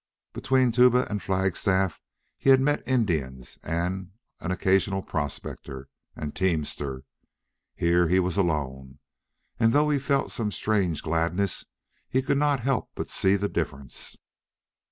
Between Tuba and Flagstaff he had met Indians and an occasional prospector and teamster. Here he was alone, and though he felt some strange gladness, he could not help but see the difference.